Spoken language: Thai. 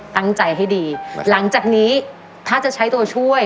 ตั้งใจให้ดีหลังจากนี้ถ้าจะใช้ตัวช่วย